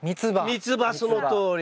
ミツバそのとおり。